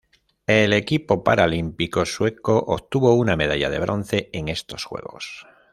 El equipo paralímpico sueco obtuvo una medalla de bronce en estos Juegos.